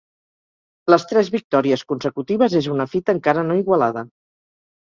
Les tres victòries consecutives és una fita encara no igualada.